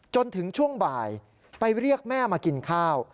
จนถึงช่วงบ่ายไปเรียกแม่มากินข้าว